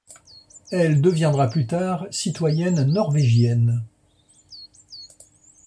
Elle deviendra plus tard citoyenne norvégienne.